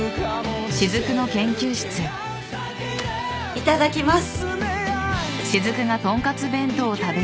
いただきます。